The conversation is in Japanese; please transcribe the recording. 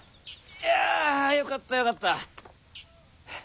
いやあよかったよかった。